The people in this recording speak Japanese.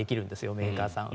メーカーさんは。